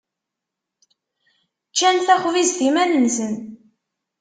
Ččan taxbizt iman-nsen.